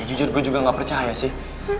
jujur gue juga gak percaya sih